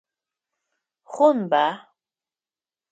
Хъунба?